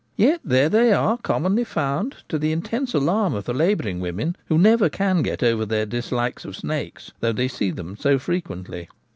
Yet there they are commonly found to the intense alarm of the labouring women, who never can get over their dislike of snakes, though they see them so frequently.